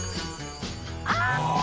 ああ！